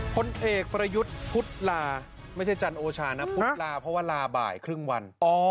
พลเอกประยุทธ์พุทธลาไม่ใช่จันโอชานะพุทธลาเพราะว่าลาบ่ายครึ่งวัน